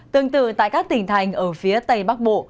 tương tự tại các tỉnh thành ở phía tây bắc bộ